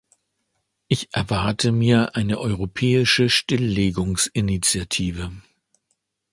Ich erwarte mir eine europäische Stilllegungsinitiative.